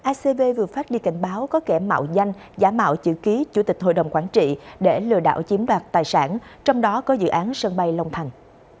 acv vừa phát đi cảnh báo có kẻ mạo danh giả mạo chữ ký chủ tịch hội đồng quản trị để lừa đảo chiếm đoạt tài sản trong đó có dự án sân bay long thành